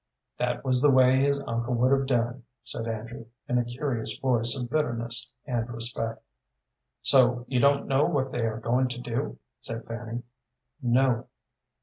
"That was the way his uncle would have done," said Andrew, in a curious voice of bitterness and respect. "So you don't know what they are going to do?" said Fanny. "No."